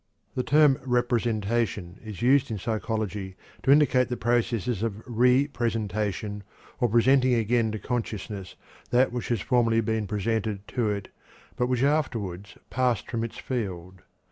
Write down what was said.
The term "representation" is used in psychology to indicate the processes of re presentation or presenting again to consciousness that which has formerly been presented to it but which afterward passed from its field.